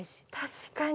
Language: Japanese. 確かに。